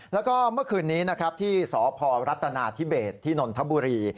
แล้วก็เมื่อคืนนี้นะครับที่สพรัฐนาธิเบสที่นนทบุรี